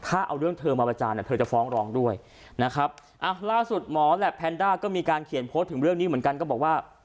ถ้าเอาเรื่องเธอมาประจานเธอจะฟ้องร้องด้วยนะครับอ่ะล่าสุดหมอและแพนด้าก็มีการเขียนโพสต์ถึงเรื่องนี้เหมือนกันก็บอกว่า